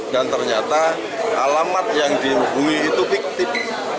dan ternyata alamat yang dihubungi itu piktip